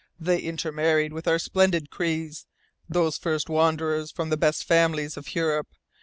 They intermarried with our splendid Crees those first wanderers from the best families of Europe.